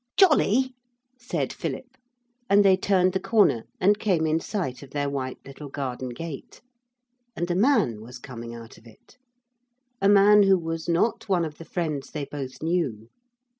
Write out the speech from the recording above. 'Jolly,' said Philip, and they turned the corner and came in sight of their white little garden gate. And a man was coming out of it a man who was not one of the friends they both knew.